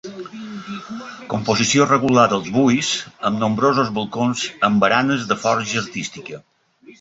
Composició regular dels buits, amb nombrosos balcons amb baranes de forja artística.